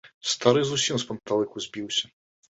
Стары зусім з панталыку збіўся.